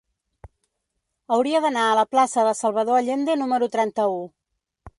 Hauria d'anar a la plaça de Salvador Allende número trenta-u.